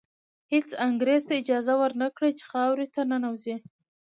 هېڅ انګریز ته اجازه ور نه کړي چې خاورې ته ننوځي.